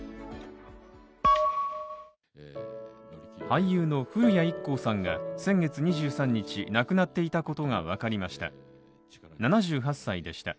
俳優の古谷一行さんが、先月２３日亡くなっていたことが分かりました。